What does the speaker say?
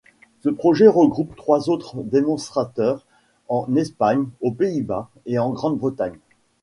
Ce projet regroupe trois autres démonstrateurs en Espagne, aux Pays-Bas et en Grande-Bretagne.